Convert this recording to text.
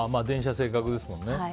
正確ですもんね。